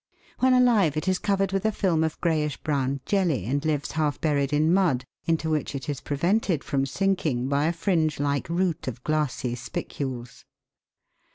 When alive it is covered with a film of greyish brown jelly, and lives half buried in mud, into which it is prevented from sinking by a fringe like root of glassy spicules.